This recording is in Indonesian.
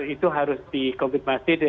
itu harus di commit masih